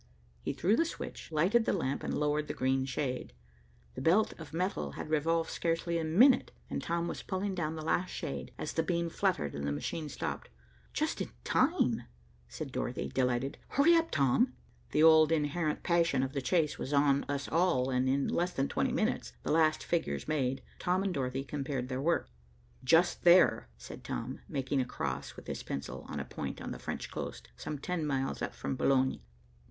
He threw the switch, lighted the lamp, and lowered the green shade. The belt of metal had revolved scarcely a minute, and Tom was pulling down the last shade, as the beam fluttered and the machine stopped. "Just in time," said Dorothy delighted. "Hurry up, Tom." The old inherent passion of the chase was on us all, and in less than twenty minutes, the last figures made, Tom and Dorothy compared their work. "Just there," said Tom, making a cross with his pencil on a point on the French coast some ten miles up from Boulogne.